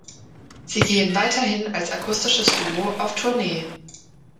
Sie gehen weiterhin als akustisches Duo auf Tournee.